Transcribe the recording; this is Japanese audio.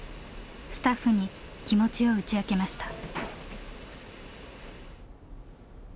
スタッフに気持ちを打ち明けました。